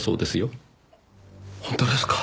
本当ですか？